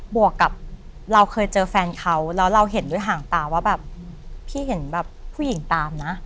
วกกับเราเคยเจอแฟนเขาแล้วเราเห็นด้วยห่างตาว่าแบบพี่เห็นแบบผู้หญิงตามนะ